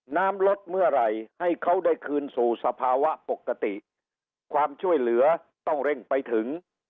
น้ำลดเมื่อไหร่ให้เขาได้คืนสู่สภาวะปกติความช่วยเหลือต้องเร่งไปถึง